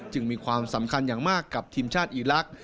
มีความสำคัญอย่างมากกับทีมชาติอีลักษณ์